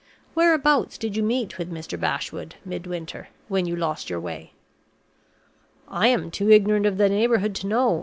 Whereabouts did you meet with Mr. Bashwood, Midwinter, when you lost your way?" "I am too ignorant of the neighborhood to know.